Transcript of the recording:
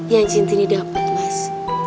yang centini dapet mas